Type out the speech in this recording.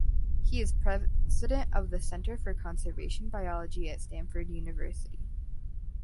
He is president of the Center for Conservation Biology at Stanford University.